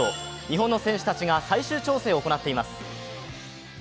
日本の選手たちが最終調整を行っています。